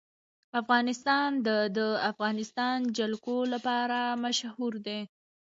افغانستان د د افغانستان جلکو لپاره مشهور دی.